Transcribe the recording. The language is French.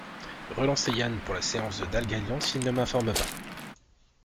Relancer Yann pour la séance de Dalgalian s’il ne m’informe pas.